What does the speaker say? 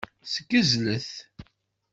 Ssgezlet.